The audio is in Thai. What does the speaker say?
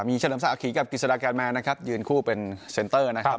มีเฉลิมศักดิ์ขี่กับกิจสดาแกนแมนนะครับยืนคู่เป็นเซ็นเตอร์นะครับ